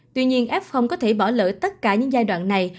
tuy nhiên f có thể bỏ lỡ tất cả những giai đoạn này